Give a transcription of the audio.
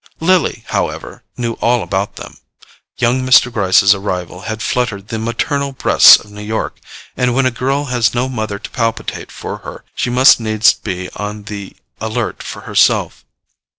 Lily, however, knew all about them: young Mr. Gryce's arrival had fluttered the maternal breasts of New York, and when a girl has no mother to palpitate for her she must needs be on the alert for herself.